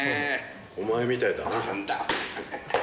お前みたいだな。